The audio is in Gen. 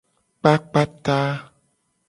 Kpakpa ta.